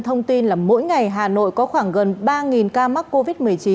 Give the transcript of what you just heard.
thông tin là mỗi ngày hà nội có khoảng gần ba ca mắc covid một mươi chín